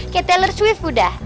kayak taylor swift udah